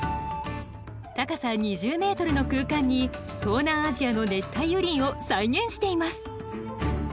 高さ２０メートルの空間に東南アジアの熱帯雨林を再現しています。